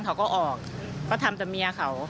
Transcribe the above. เขาเลิกงานประมาณ๔โมงกว่า